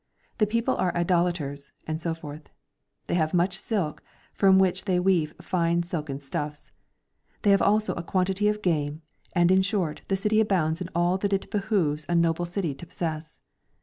The people are Idolaters (and so forth). They have much silk, from which they weave fine silken stuffs ; they have also a quantity of game, and in short the city abounds in all that it behoves a noble city to possess.